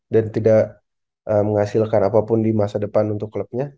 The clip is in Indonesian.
dan tidak menghasilkan apapun di masa depan untuk klubnya